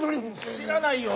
知らないよ。